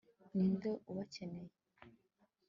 ninde ubakeneye